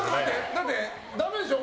だって、ダメでしょ？